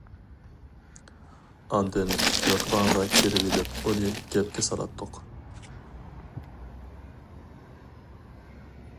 ئاندىن يوتقانغا كىرىۋېلىپ ئۇنى گەپكە سالاتتۇق.